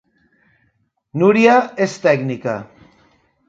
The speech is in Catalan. Núria és tècnica